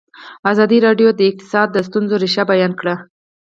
ازادي راډیو د اقتصاد د ستونزو رېښه بیان کړې.